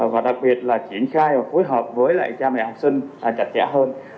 và đặc biệt là triển khai và phối hợp với lại cha mẹ học sinh chặt chẽ hơn